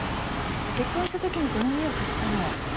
結婚したときにこの家を買ったの。